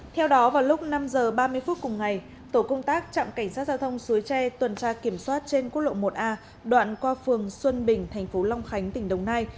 theo đó vào lúc năm h ba mươi phút cùng ngày tổ công tác trạm cảnh sát giao thông suối tre tuần tra kiểm soát trên quốc lộ một a đoạn qua phường xuân bình thành phố long khánh tỉnh đồng nai